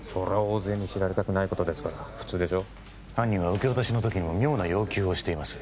大勢に知られたくないことですから普通でしょ犯人は受け渡しの時にも妙な要求をしています